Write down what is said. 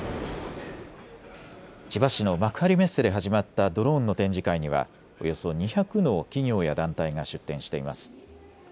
千葉市の幕張メッセで始まったドローンの展示会にはおよそ２００の企業や団体が出展しています。